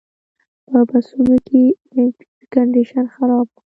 په بسونو کې ایرکنډیشن خراب و.